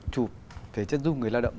chụp về chân dung người lao động